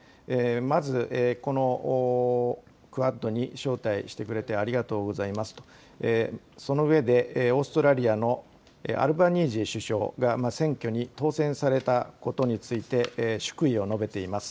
まずこのクアッドに招待してくれてありがとうございますと、その上で、オーストラリアのアルバニージー首相が選挙に当選されたことについて、祝意を述べています。